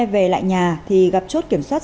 về lại nhà thì gặp chốt kiểm soát